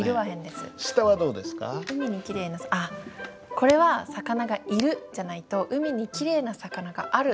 これは「魚がいる」じゃないと「海にきれいな魚がある」